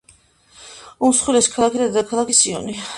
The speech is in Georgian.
უმსხვილესი ქალაქი და დედაქალაქია სიონი.